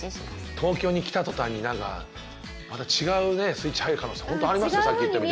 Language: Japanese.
東京に来た途端になんかまた違うねスイッチ入る可能性ホントありますよ。